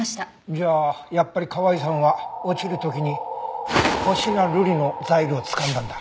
じゃあやっぱり河合さんは落ちる時に星名瑠璃のザイルをつかんだんだ。